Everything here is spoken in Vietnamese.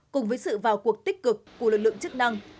cùng với sự vào cuộc tích cực của lực lượng chức năng